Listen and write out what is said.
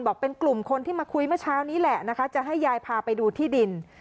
เป็นกลุ่มคนที่มาคุยเมื่อเช้านี้แหละนะคะจะให้ยายพาไปดูที่ดิน